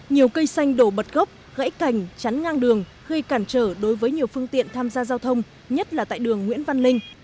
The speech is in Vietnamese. nhiều cây xanh đổ bật gốc gãy cành chắn ngang đường gây cản trở đối với nhiều phương tiện tham gia giao thông nhất là tại đường nguyễn văn linh